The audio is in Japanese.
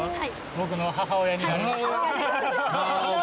僕の母親になります。